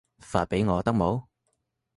發畀我得冇